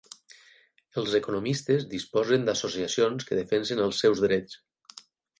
Els economistes disposen d'associacions que defensen els seus drets.